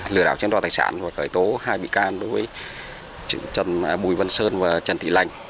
lừa đảo trên đoàn tài sản và khởi tố hai bị can đối với trần bùi vân sơn và trần tị lạnh